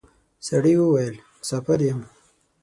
سړي وويل: مساپر یم.